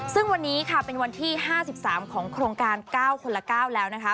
ซึ่งวันนี้ค่ะเป็นวันที่๕๓ของโครงการ๙คนละ๙แล้วนะคะ